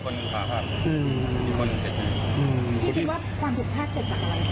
คิดว่าความถูกภาคเกิดจากอะไรครับ